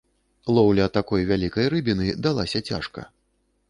Лоўля такой вялікай рыбіны далася цяжка.